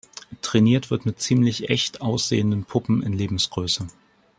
Trainiert wird mit ziemlich echt aussehenden Puppen in Lebensgröße.